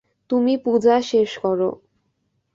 তুমি পূজা শেষ করো।